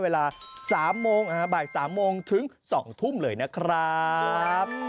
เวลา๓โมงบ่าย๓โมงถึง๒ทุ่มเลยนะครับ